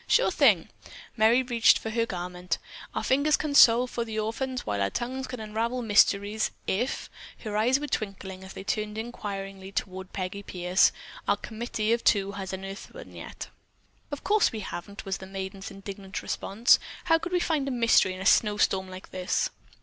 "Sure thing." Merry reached for her garment. "Our fingers can sew for the orphans while our tongues can unravel mysteries if—" her eyes were twinkling as they turned inquiringly toward Peggy Pierce, "our committee of two has unearthed one as yet." "Of course we haven't!" was the maiden's indignant response. "How could we find a mystery in a snow storm like this?"